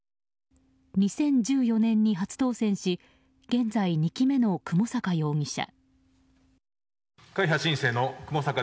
２０１４年に初当選し現在、２期目の雲坂容疑者。